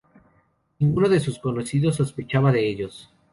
Ninguno de sus conocidos sospechaba de ellos.